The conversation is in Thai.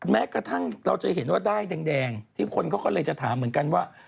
แม้กระทั่งเราจะเห็นว่าด้ายแดงที่คนเขาก็เลยจะถามเหมือนกันว่า